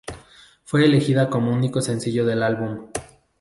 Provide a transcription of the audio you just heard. Fue elegida como único sencillo del álbum.